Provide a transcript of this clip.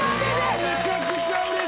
めちゃくちゃうれしい。